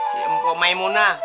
si empuk maimunah